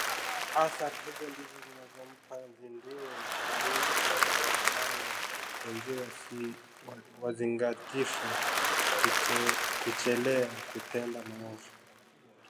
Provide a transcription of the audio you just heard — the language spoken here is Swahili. Athari hizo ndizo zinazompa zinduo mshairi na Waislamu wenziwe wazingatifu kuchelea kutenda maovu